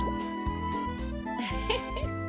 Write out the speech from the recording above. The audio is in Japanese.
ウフフ！